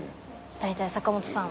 大体坂本さん